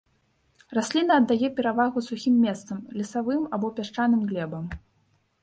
Расліна аддае перавагу сухім месцам, лёсавым або пясчаным глебам.